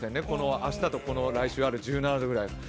明日と来週の１７度ぐらい。